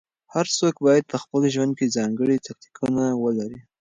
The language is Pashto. هر څوک بايد په خپل ژوند کې ځانګړي تاکتيکونه ولري.